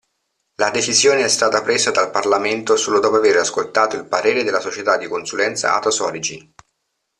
La decisione è stata presa dal Parlamento solo dopo aver ascoltato il parere della società di consulenza Atos Origin.